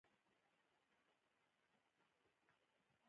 هغه د پولادو د تولید په هکله ډېر پوهېده